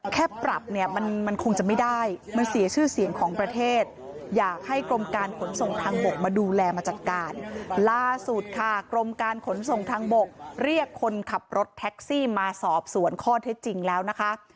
เขาบอกเรียกคนขับรถแท็กซี่มาสอบสวนข้อเท็จจริงแล้วนะคะ